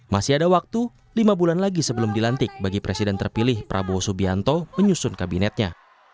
masih ada waktu lima bulan lagi sebelum dilantik bagi presiden terpilih prabowo subianto menyusun kabinetnya